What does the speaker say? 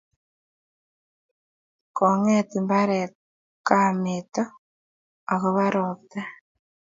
Kong'et mbaret kameto akobo ropta